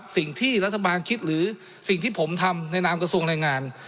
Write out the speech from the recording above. สิ่งที่รัฐบาลคิดหรือสิ่งที่ผมทำในนามกระทรวงแรงงาน